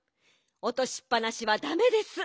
おとしっぱなしはだめです。